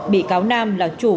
bị cáo nam là chủ